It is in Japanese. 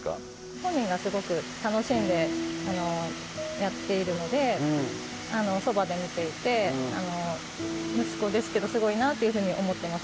本人がすごく楽しんでやっているので、そばで見ていて、息子ですけど、すごいなっていうふうに思っています。